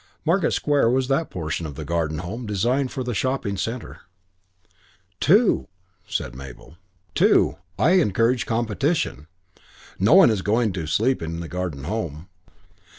Market Square was that portion of the Garden Home designed for the shopping centre. "Two!" said Mabel. "Two. I encourage competition. No one is going to sleep in the Garden Home."